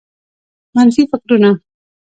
منفي فکرونه